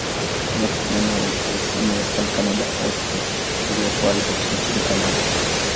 Kama kijana, alisoma "Western Canada High School" iliyopo Albert, nchini Kanada.